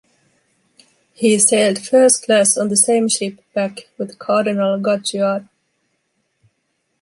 He sailed first class on the same ship back with Cardinal Caggiano.